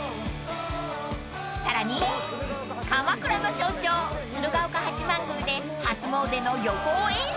［さらに鎌倉の象徴鶴岡八幡宮で初詣の予行演習］